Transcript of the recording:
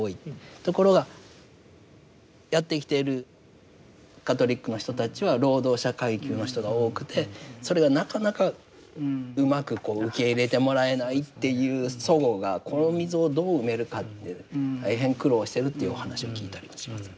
ところがやって来ているカトリックの人たちは労働者階級の人が多くてそれがなかなかうまくこう受け入れてもらえないっていう齟齬がこの溝をどう埋めるかって大変苦労しているというお話を聞いたりもします。